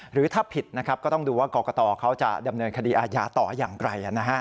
หรือถ้าผิดนะครับก็ต้องดูว่ากรกตเขาจะดำเนินคดีอาญาต่ออย่างไร